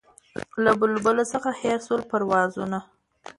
له بلبله څخه هېر سول پروازونه